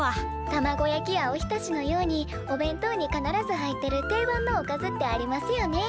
卵焼きやおひたしのようにお弁当に必ず入ってる定番のおかずってありますよね。